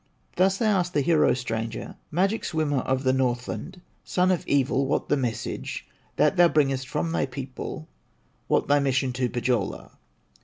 Thus they asked the hero stranger: "Magic swimmer of the Northland, Son of evil, what the message That thou bringest from thy people, What thy mission to Pohyola?"